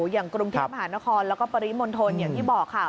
อย่างกรุงเทพมหานครแล้วก็ปริมณฑลอย่างที่บอกค่ะ